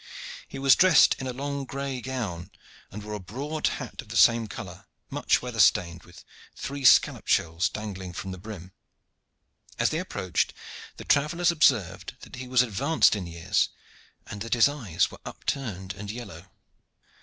He was dressed in a long gray gown, and wore a broad hat of the same color, much weather stained, with three scallop shells dangling from the brim. As they approached, the travellers observed that he was advanced in years, and that his eyes were upturned and yellow.